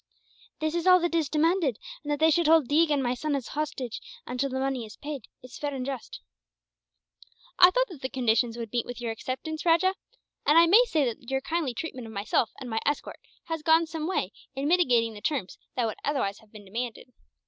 This is all that is demanded; and that they should hold Deeg and my son as a hostage, until the money is paid, is fair and just." "I thought that the conditions would meet with your acceptance, Rajah; and I may say that your kindly treatment of myself and my escort has gone some way in mitigating the terms that would otherwise have been demanded.